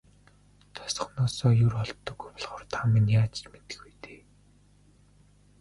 Тосгоноосоо ер холддоггүй болохоор та минь ч яаж мэдэх вэ дээ.